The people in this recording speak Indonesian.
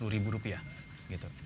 sepuluh ribu rupiah gitu